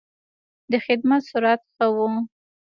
د خدمت سرعت ښه و.